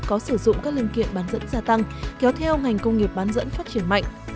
công nghiệp bán dẫn gia tăng kéo theo ngành công nghiệp bán dẫn phát triển mạnh